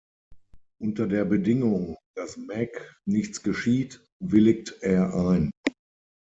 Unter der Bedingung, dass Meg nichts geschieht, willigt er ein.